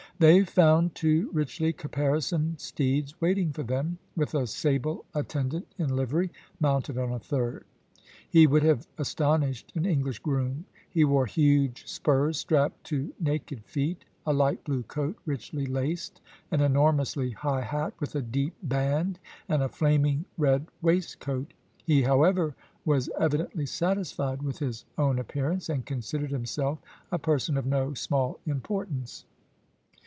They found two richly caparisoned steeds waiting for them, with a sable attendant in livery, mounted on a third. He would have astonished an English groom. He wore huge spurs strapped to naked feet a light blue coat richly laced, an enormously high hat with a deep band, and a flaming red waistcoat. He, however, was evidently satisfied with his own appearance, and considered himself a person of no small importance.